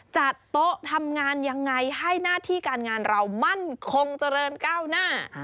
จัดโต๊ะทำงานยังไงให้หน้าที่การงานเรามั่นคงเจริญก้าวหน้า